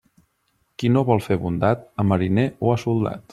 Qui no vol fer bondat, a mariner o a soldat.